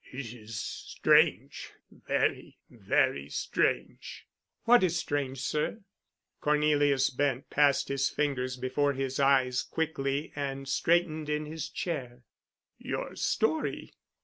"It is strange—very, very strange!" "What is strange, sir?" Cornelius Bent passed his fingers before his eyes quickly and straightened in his chair. "Your story.